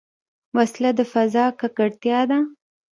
وسله د فضا ککړتیا ده